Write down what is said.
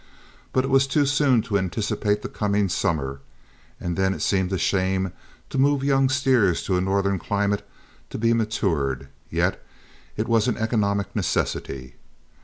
But it was too soon to anticipate the coming summer; and then it seemed a shame to move young steers to a northern climate to be matured, yet it was an economic necessity.